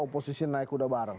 oposisi naik kuda bareng